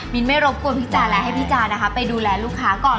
ไม่รบกวนพี่จาและให้พี่จานะคะไปดูแลลูกค้าก่อน